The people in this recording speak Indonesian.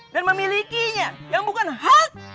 dan memilikinya yang bukan hak